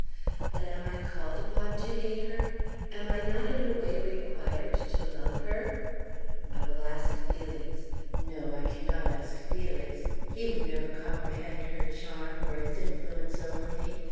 But am I called upon to hate her? Am I not in a way required to love her? I will ask Felix. No, I cannot ask Felix. He would never comprehend her charm or its influence over me.